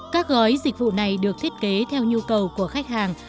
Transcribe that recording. các gói dịch vụ này được thiết kế theo nhu cầu của khách hàng